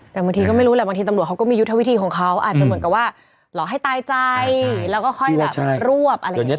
แต่บางทีก็ไม่รู้แหละบางทีตำรวจเขาก็มียุทธวิธีของเขาอาจจะเหมือนกับว่าหลอกให้ตายใจแล้วก็ค่อยแบบรวบอะไรอย่างนี้